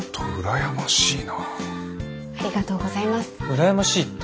羨ましいって。